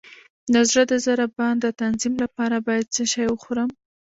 د زړه د ضربان د تنظیم لپاره باید څه شی وخورم؟